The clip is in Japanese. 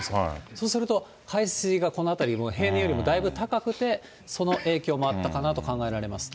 そうすると海水がこの辺り、平年よりもだいぶ高くて、その影響もあったかなと考えられます。